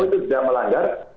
itu sudah melanggar